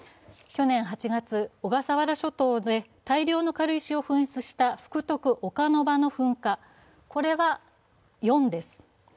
去年８月、小笠原諸島で大量の軽石を噴出した福徳岡ノ場の噴火は４です。